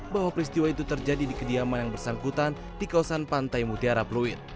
bahwa peristiwa itu terjadi di kediaman yang bersangkutan di kawasan pantai mutiara pluit